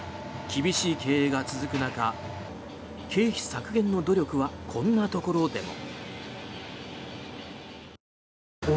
厳しい経営が続く中経費削減の努力はこんなところでも。